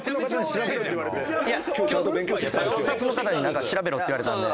スタッフの方になんか調べろって言われたんで。